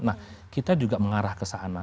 nah kita juga mengarah ke sana